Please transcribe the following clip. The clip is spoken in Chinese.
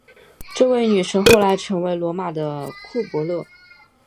这位女神后来成为罗马的库柏勒。